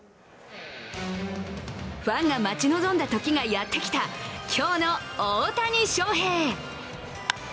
ファンが待ち望んだときがやってきた、今日の大谷翔平。